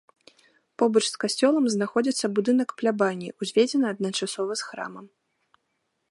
Побач з касцёлам знаходзіцца будынак плябаніі, узведзены адначасова з храмам.